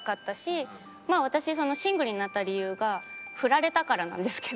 私シングルになった理由がフラれたからなんですけど。